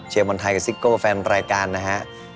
บอลไทยกับซิโก้แฟนรายการนะฮะ